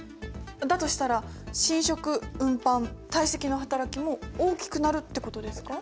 だとしたら侵食運搬堆積のはたらきも大きくなるってことですか？